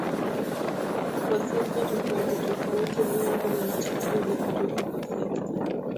kwa sekta tofauti tofauti Vyanzo vya uchafuzi kutoka kwa sekta za